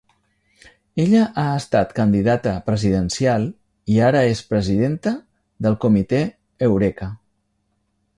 Ella ha estat candidata presidencial i ara és presidenta del Comité Eureka.